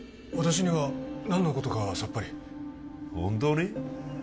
私には何のことかさっぱり本当に？